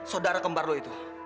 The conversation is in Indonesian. saudara kembar lo itu